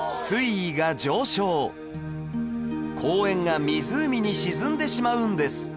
水位が上昇公園が湖に沈んでしまうんです